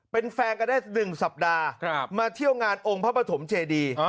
เป็นแฟนกันได้๑สัปดาห์มาเที่ยวงานองค์พระปฐมเจดี